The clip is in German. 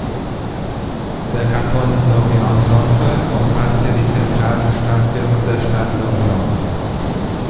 Der Kanton Lorient-Centre umfasste die zentralen Stadtviertel der Stadt Lorient.